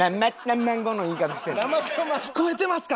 聞こえてますか？